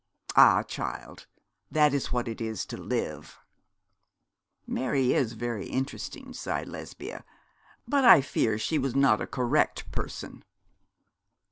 Ah, child, that is what it is to live.' 'Mary is very interesting,' sighed Lesbia; 'but I fear she was not a correct person.'